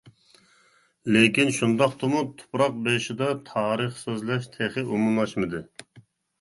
لېكىن شۇنداقتىمۇ تۇپراق بېشىدا تارىخ سۆزلەش تېخى ئومۇملاشمىدى.